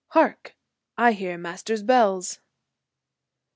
Hark! I hear Master's bells!"